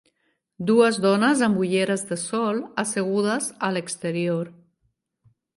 Dues dones amb ulleres de sol assegudes a l'exterior.